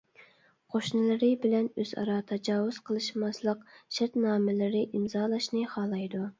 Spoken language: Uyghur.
قوشنىلىرى بىلەن ئۆزئارا تاجاۋۇز قىلىشماسلىق شەرتنامىلىرى ئىمزالاشنى خالايدۇ.